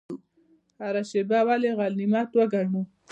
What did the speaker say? هره شیبه ولې غنیمت وګڼو؟